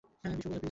Bishu, please শোন।